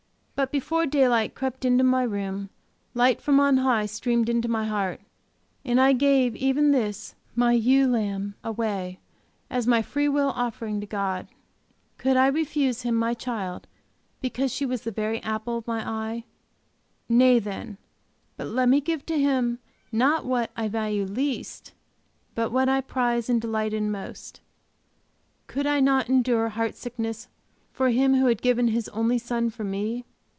But before daylight crept into my room light from on high streamed into my heart, and I gave even this, my ewe lamb, away, as my free will offering to God. Could I refuse Him my child because she was the very apple of my eye? Nay then, but let me give to Him, not what, I value least, but what I prize and delight in most. Could I not endure heart sickness for Him who had given His only Son for me!